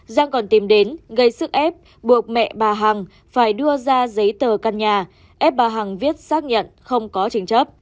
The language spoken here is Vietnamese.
giang còn tìm đến gây sức ép buộc mẹ bà hằng phải đưa ra giấy tờ căn nhà ép bà hằng viết xác nhận không có trình chấp